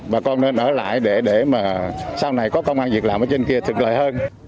bà con nên ở lại để mà sau này có công an việc làm ở trên kia thực lợi hơn